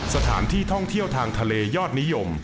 สถานที่ท่องเที่ยวทางทะเลยอดนิยม